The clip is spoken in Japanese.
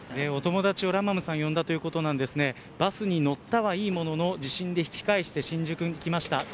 お友達を呼んだということでバスに乗ったはいいものの地震で引き返して新宿に来ました。